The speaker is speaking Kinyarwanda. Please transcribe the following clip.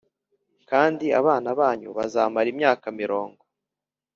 Kandi abana banyu bazamara imyaka mirongo